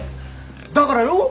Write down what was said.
だからよ。